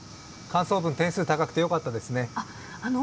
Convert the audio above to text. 感想文、点数高くてよかったですね